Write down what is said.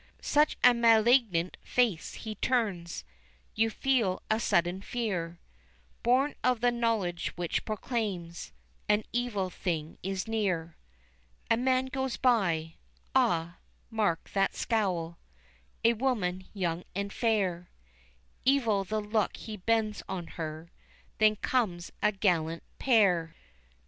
Such a malignant face he turns, You feel a sudden fear, Born of the knowledge which proclaims An evil thing is near. A man goes by ah, mark that scowl A woman young and fair, Evil the look he bends on her Then comes a gallant pair.